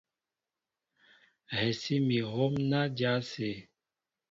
Hɛsí mi hǒm ná dya ásé.